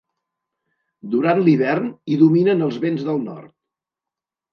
Durant l'hivern hi dominen els vents del nord.